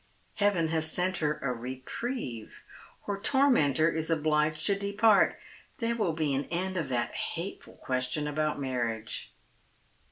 Heaven has sent her a reprieve. Her tormentor is obliged to depart. There will be an end of that hateful question about marriage."